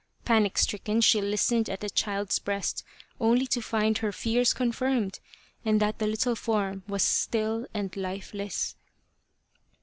Panic stricken, she listened at the child's breast only to find her fears confirmed and that the little form was still and lifeless.